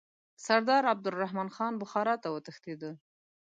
سردار عبدالرحمن خان بخارا ته وتښتېدی.